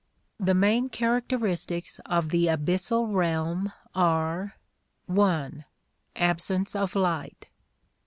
The main characteristics of the abyssal realm are: (1) Absence of light.